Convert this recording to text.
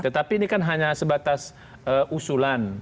tetapi ini kan hanya sebatas usulan